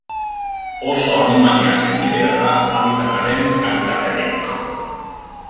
Oso animalia sentibera da habitataren kalitatearekiko.